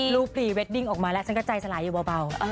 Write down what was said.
พรีเวดดิ้งออกมาแล้วฉันก็ใจสลายอยู่เบา